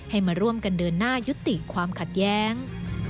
มาร่วมกันเดินหน้ายุติความขัดแย้ง